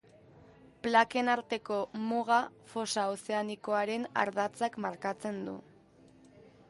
Plaken arteko muga fosa ozeanikoaren ardatzak markatzen du.